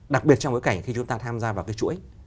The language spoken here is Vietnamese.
đặc biệt trong bối cảnh khi chúng ta tham gia vào cái chuỗi